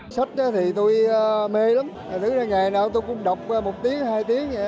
sách thì tôi mê lắm ngày nào tôi cũng đọc một tiếng hai tiếng